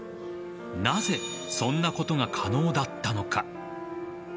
なぜそんなことが可能だったのか。